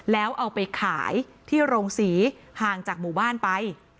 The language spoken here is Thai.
แล้วเอาไปขายที่โรงศรีห่างจากหมู่บ้านไป